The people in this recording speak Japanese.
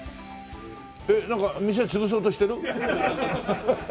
えっなんか店潰そうとしてる？